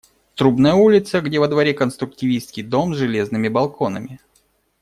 Трубная улица, где-то во дворе конструктивистский дом, с железными балконами.